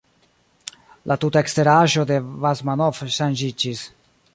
La tuta eksteraĵo de Basmanov ŝanĝiĝis.